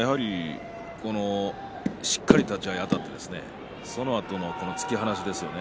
しっかり立ち合いあたってそのあとの突き放しですよね。